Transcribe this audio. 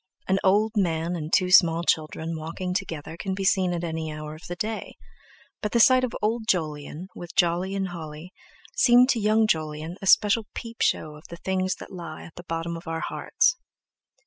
An old man and two small children walking together can be seen at any hour of the day; but the sight of old Jolyon, with Jolly and Holly seemed to young Jolyon a special peep show of the things that lie at the bottom of our hearts.